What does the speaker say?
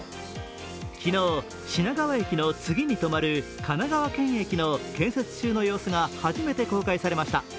昨日、品川駅の次に止まる神奈川県駅の建設中の様子が初めて公開されました。